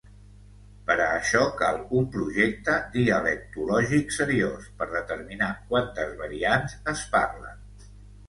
Per a això cal un projecte dialectològic seriós per determinar quantes variants es parlen.